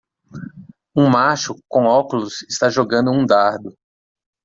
Um macho com óculos está jogando um dardo.